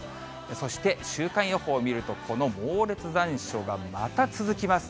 そして週間予報を見ると、この猛烈残暑が、また続きます。